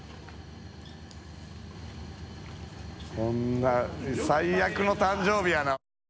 こんな最悪の誕生日やな。